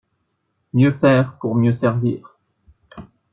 Mieux faire pour mieux servir